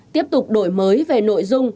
tiếp tục đổi mới về nội dung